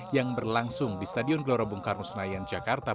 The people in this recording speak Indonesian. yang berlangsung di stadion gelora bungkarno senayan jakarta